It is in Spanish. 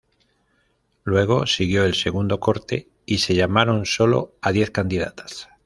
Luego siguió el segundo corte, y se llamaron sólo a diez candidatas.